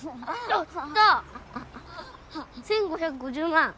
１５５０万